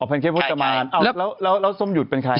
แนนเค้กุจมานแล้วส้มหยุดเป็นใคร